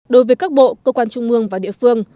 đối với các bộ cơ quan trung mương và địa phương